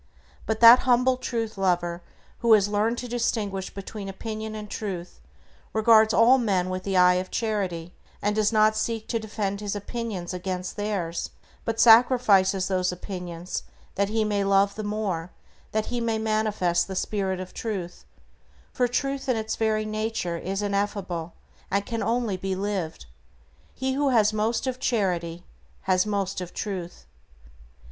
But that humble Truth lover who has learned to distinguish between opinion and Truth, regards all men with the eye of charity, and does not seek to defend his opinions against theirs, but sacrifices those opinions that he may love the more, that he may manifest the spirit of Truth, for Truth in its very nature is ineffable and can only be lived. He who has most of charity has most of Truth.